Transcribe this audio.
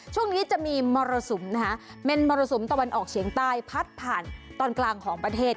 ช่วงนี้จะมีมรสุมนะคะเป็นมรสุมตะวันออกเฉียงใต้พัดผ่านตอนกลางของประเทศ